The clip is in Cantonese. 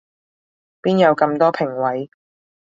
邊有咁多評委